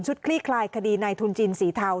คลี่คลายคดีในทุนจีนสีเทา